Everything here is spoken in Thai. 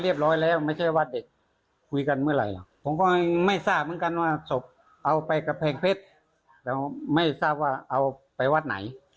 ยืนยันกันว่าศพเอาไปกระแพงเพชรแล้วไม่ทราบว่าเอาไปวัดไหน